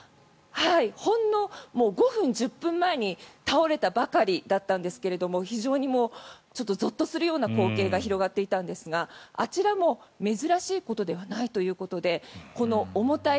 ほんの５分、１０分前に倒れたばかりだったんですが非常にゾッとするような光景が広がっていたんですがあちらも珍しいことではないということでこの重たい